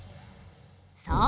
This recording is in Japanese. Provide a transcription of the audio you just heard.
そう。